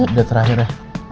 udah terakhir ya